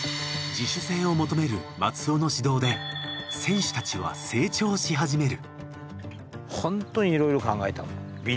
自主性を求める松尾の指導で選手たちは成長し始める。